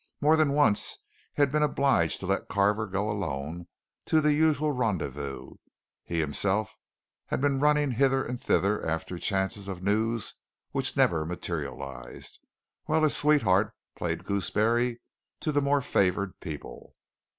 More than once he had been obliged to let Carver go alone to the usual rendezvous; he himself had been running hither and thither after chances of news which never materialized, while his sweetheart played gooseberry to the more favoured people.